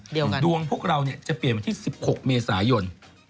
ดวงพวกเราจะเปลี่ยนวันที่๑๖เมษายน